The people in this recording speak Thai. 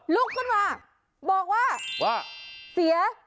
ลุกขึ้นมาบอกว่าว่าเสีย